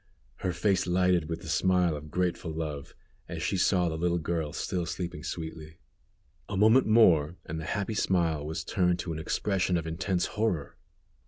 Her face lighted with the smile of grateful love, as she saw the little girl still sleeping sweetly. A moment more and the happy smile was turned to an expression of intense horror.